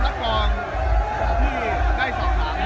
ส่วนใหญ่เลยครับ